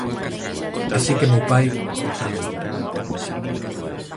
Así que meu pai calou…